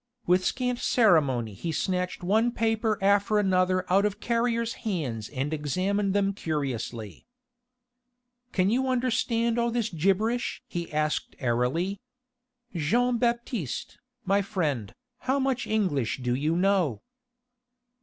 With scant ceremony he snatched one paper after another out of Carrier's hands and examined them curiously. "Can you understand all this gibberish?" he asked airily. "Jean Baptiste, my friend, how much English do you know?"